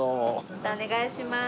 またお願いします。